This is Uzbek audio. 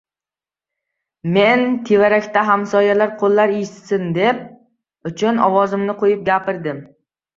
Men, tevarakdagi hamsoya-qo‘llar eshitsin uchun, ovozimni qo‘yib gapirdim: